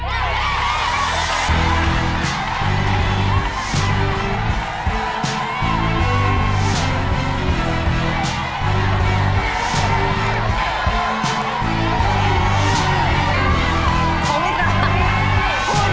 ของวิทยาพูดนึงกับอะไรก็ได้